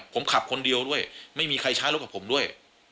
ผมขับคนเดียวด้วยไม่มีใครใช้รถกับผมด้วย